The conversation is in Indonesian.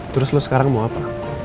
terus lo sekarang mau apa